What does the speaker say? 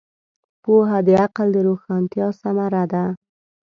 پوهه د عقل د روښانتیا ثمره ده.